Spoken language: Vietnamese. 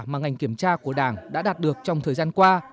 mà ngành kiểm tra của đảng đã đạt được trong thời gian qua